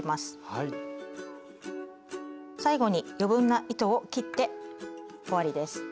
最後に余分な糸を切って終わりです。